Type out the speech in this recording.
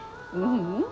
ううん。